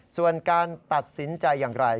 ส่วนการตัดสินใจอย่างไร